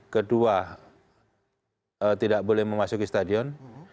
kedua tidak boleh memasuki stadion